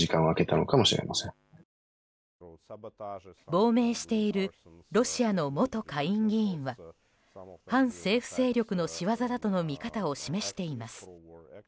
亡命しているロシアの元下院議員は反政府勢力の仕業だとの見方を示しています。